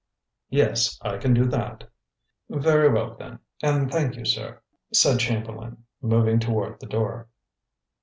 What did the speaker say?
"Yes, I can do that." "Very well, then, and thank you, sir," said Chamberlain, moving toward the door.